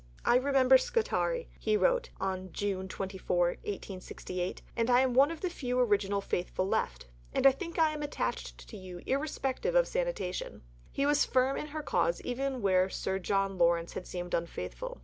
"I remember Scutari," he wrote (June 24, 1868), "and I am one of the few original faithful left, and I think I am attached to you irrespective of sanitation." He was firm in her cause even where Sir John Lawrence had seemed unfaithful.